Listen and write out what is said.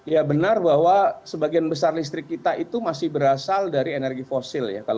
ya benar bahwa sebagian besar listrik kita itu masih berasal dari energi fosil ya